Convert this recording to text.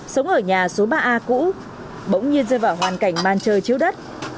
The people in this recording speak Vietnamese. số ba a cũ bỗng nhiên rơi vào hoàn cảnh man trời chiếu đất